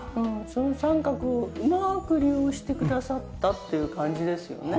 その三角をうまく利用してくださったっていう感じですよね。